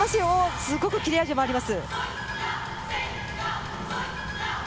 すごく切れ味もあります。